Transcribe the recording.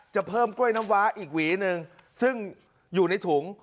เพิ่มกล้วยน้ำว้าอีกหวีหนึ่งซึ่งอยู่ในถุง